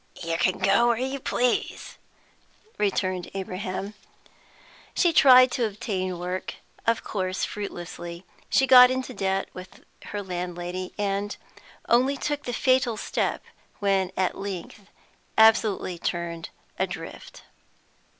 "You can go where you please," returned Abraham. She tried to obtain work, of course fruitlessly. She got into debt with her landlady, and only took the fatal step when at length absolutely turned adrift.